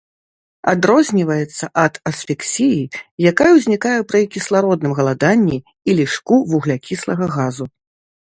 Адрозніваецца ад асфіксіі, якая ўзнікае пры кіслародным галаданні і лішку вуглякіслага газу.